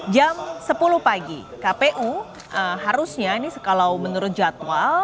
jam sepuluh pagi kpu harusnya ini kalau menurut jadwal